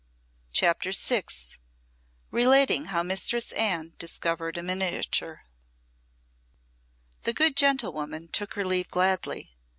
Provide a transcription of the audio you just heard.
CHAPTER VI Relating how Mistress Anne discovered a miniature The good gentlewoman took her leave gladly.